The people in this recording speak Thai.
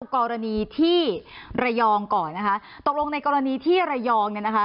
กรณีที่ระยองก่อนนะคะตกลงในกรณีที่ระยองเนี่ยนะคะ